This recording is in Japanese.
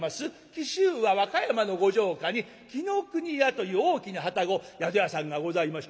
紀州は和歌山のご城下に紀伊国屋という大きな旅籠宿屋さんがございましてね。